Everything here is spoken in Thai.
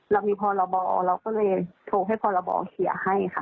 เรามีพรบเราก็เลยโทรให้พรบเคลียร์ให้ค่ะ